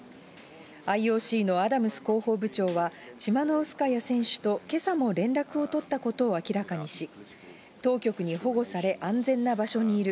ＩＯＣのアダムス広報部長は、チマノウスカヤ選手と、けさも連絡を取ったことを明らかにし、当局に保護され、安全な場所にいる。